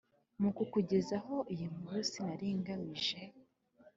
mu kukugezaho iyi nkuru sinari ngamije